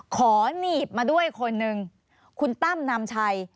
ขอหนีบมาด้วยคนหนึ่งคุณตั้มนำชัย